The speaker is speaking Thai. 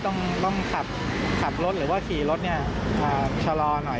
ต้องขับรถหรือว่าขี่รถชะลอหน่อย